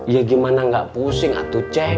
ya gimana gak pusing atuh ceng